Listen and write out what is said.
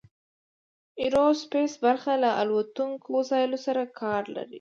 ایرو سپیس برخه له الوتونکو وسایلو سره کار لري.